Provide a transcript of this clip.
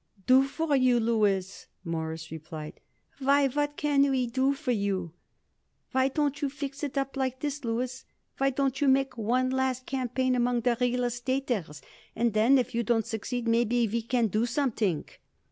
"Do for you, Louis!" Morris replied. "Why, what can we do for you? Why don't you fix it up like this, Louis? Why don't you make one last campaign among the real estaters, and then if you don't succeed maybe we can do something."